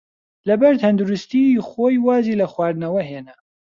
لەبەر تەندروستیی خۆی وازی لە خواردنەوە هێنا.